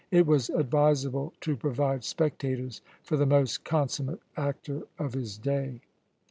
It was advisable to provide spectators for the most consummate actor of his day.